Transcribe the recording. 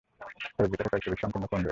তবে, ভেতরে কয়েকটা বেশ সংকীর্ণ কোণ রয়েছে।